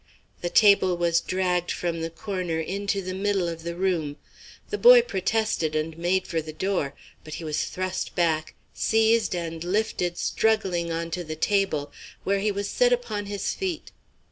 The table was dragged from the corner into the middle of the room. The boy protested, and made for the door. But he was thrust back, seized and lifted struggling on to the table, where he was set upon his feet.